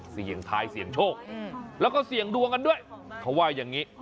เสี่ยงทายเสี่ยงโชคแล้วก็เสี่ยงดวงกันด้วยเขาว่าอย่างนี้